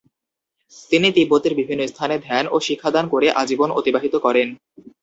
তিনি তিব্বতের বিভিন্ন স্থানে ধ্যান ও শিক্ষাদান করে অজীবন অতিবাহিত করেন।